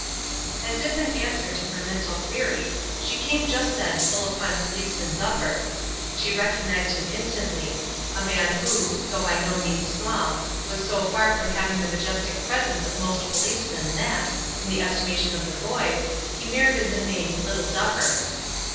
As if in answer to her mental query, she came just then full upon Policeman Duffer. She recognized him instantly: a man who, though by no means small, was so far from having the majestic presence of most policemen that, in the estimation of the boys, he merited the name "Little Duffer."